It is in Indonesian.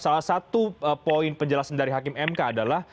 salah satu poin penjelasan dari hakim mk adalah